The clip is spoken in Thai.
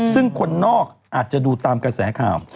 ซึ่งคนนอกอาจจะดูตามกระแสข่าว